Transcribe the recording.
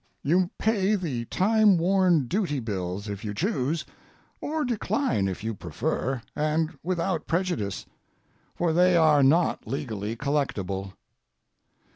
You pay the time worn duty bills if you choose, or decline if you prefer—and without prejudice—for they are not legally collectable.